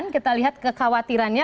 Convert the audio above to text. kita lihat kekhawatirannya